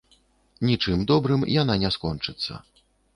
Нічым добрым яна не скончыцца.